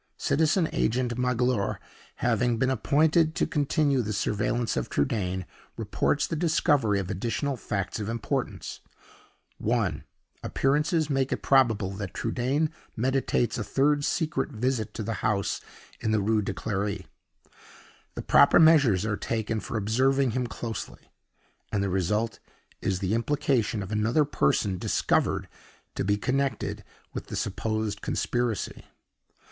Citizen Agent Magloire having been appointed to continue the surveillance of Trudaine, reports the discovery of additional facts of importance. (1.) Appearances make it probable that Trudaine meditates a third secret visit to the house in the Rue de Clery. The proper measures are taken for observing him closely, and the result is the implication of another person discovered to be connected with the supposed conspiracy.